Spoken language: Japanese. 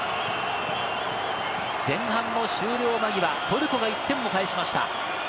前半終了間際、トルコが１点を返しました。